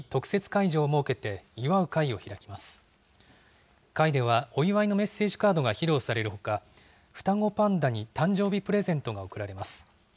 会では、お祝いのメッセージカードが披露されるほか、双子パンダに誕生日プレゼントが贈られます。